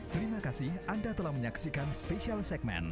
terima kasih anda telah menyaksikan special segmen